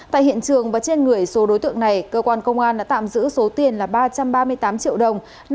tại hiện trường và trên người số đối tượng này cơ quan công an đã tạm giữ số tiền là ba trăm ba mươi tám triệu đồng